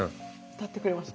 歌ってくれました。